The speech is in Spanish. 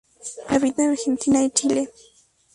Habita en Argentina y Chile.